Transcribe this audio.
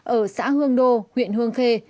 ở xã hương đô huyện hương khê